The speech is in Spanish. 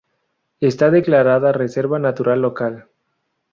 Está declarada reserva natural local.